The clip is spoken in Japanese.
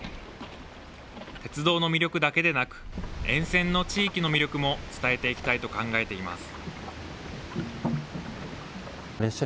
鉄道の魅力だけでなく、沿線の地域の魅力も伝えていきたいと考えています。